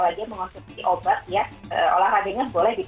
olahraganya boleh dipindahkan setelah kolak masing